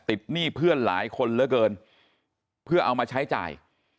หนี้เพื่อนหลายคนเหลือเกินเพื่อเอามาใช้จ่าย